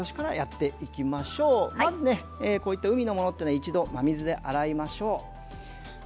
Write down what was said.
まず海のものは一度、真水で洗いましょう。